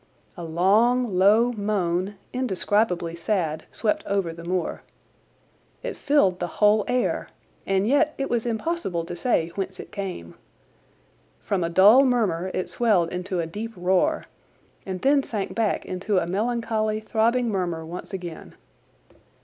A long, low moan, indescribably sad, swept over the moor. It filled the whole air, and yet it was impossible to say whence it came. From a dull murmur it swelled into a deep roar, and then sank back into a melancholy, throbbing murmur once again.